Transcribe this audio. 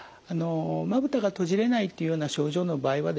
まぶたが閉じれないというような症状の場合はですね